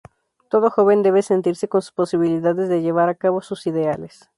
Todo joven debe sentirse con posibilidades de llevar a cabo sus ideales.